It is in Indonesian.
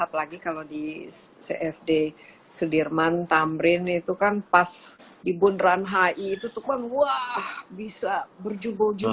apalagi kalau di cfd sudirman tamrin itu kan pas di bund ranhai itu tuh wah bisa berjuboh juga lah